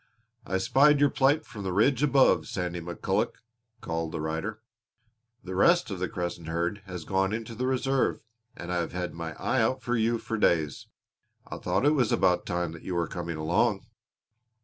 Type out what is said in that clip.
"I spied your plight from the ridge above, Sandy McCulloch," called the rider. "The rest of the Crescent herd has gone in to the Reserve and I have had my eye out for you for days. I thought it was about time that you were coming along."